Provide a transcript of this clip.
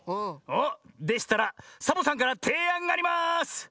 おっ！でしたらサボさんからていあんがあります。